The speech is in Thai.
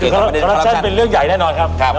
คอลลอคชั่นเป็นเรื่องใหญ่แน่นอนครับ